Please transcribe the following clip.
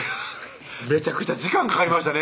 めちゃくちゃ時間かかりましたね